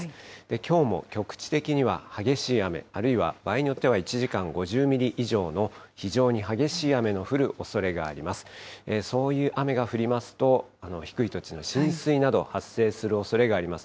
きょうも局地的には激しい雨、あるいは場合によっては１時間５０ミリ以上の非常に激しい雨の降るおそれがあります。